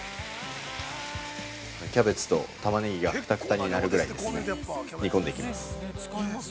キャベツとタマネギがくたくたになるぐらい煮込んでいきます。